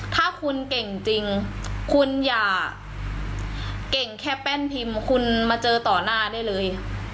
ถ้าคุณเก่งจริงคุณอย่าเก่งแค่แป้นพิมพ์คุณมาเจอต่อหน้าได้เลย